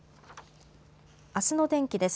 あすの天気です。